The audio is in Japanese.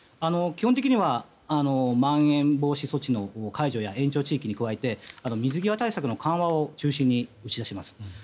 基本的にはまん延防止措置の解除や延長地域に加えて水際対策の緩和を中心に打ち出します。